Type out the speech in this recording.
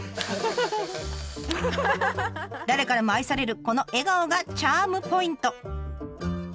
誰からも愛されるこの笑顔がチャームポイント。